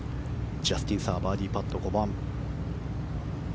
ジャスティン・サーバーディーパット、５番。